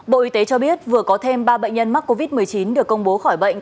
bộ y tế cho biết vừa có thêm ba bệnh nhân mắc covid một mươi chín được công bố khỏi bệnh